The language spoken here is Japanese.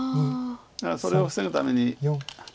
だからそれを防ぐために。